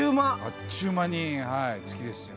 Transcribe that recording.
あっちゅう間に月ですよ。